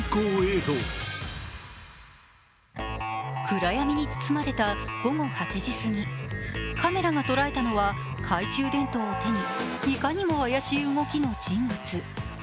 暗闇に包まれた午後８時すぎ、カメラが捉えたのは、懐中電灯を手にいかにも怪しい動きの人物。